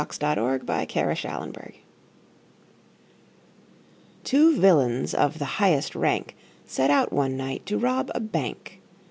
Ambrose Bierce Business TWO villains of the highest rank Set out one night to rob a bank.